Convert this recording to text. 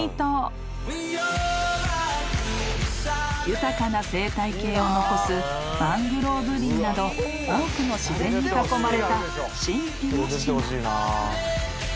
［豊かな生態系を残すマングローブ林など多くの自然に囲まれた神秘の島］